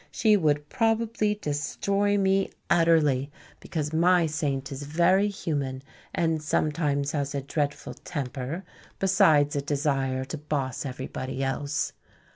She would probably destroy me utterly, because my saint is very human and sometimes has a dreadful temper, besides a desire to boss everybody else.